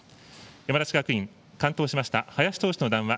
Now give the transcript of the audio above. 山梨学院、完投しました星野投手の談話